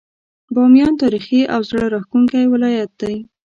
باميان تاريخي او زړه راښکونکی ولايت دی.